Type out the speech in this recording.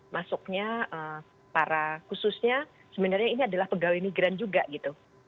masuknya para khususnya sebenarnya ini adalah pegawai migran juga gitu